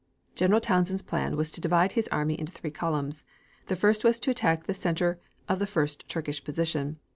General Townshend's plan was to divide his army into three columns. The first was to attack the center of the first Turkish position.